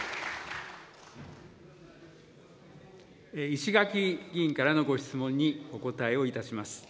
石垣議員からのご質問にお答えをいたします。